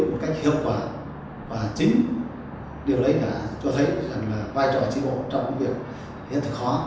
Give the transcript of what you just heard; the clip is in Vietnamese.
một cách hiệu quả và chính điều đấy đã cho thấy rằng là vai trò tri bộ trong công việc hiện thực hóa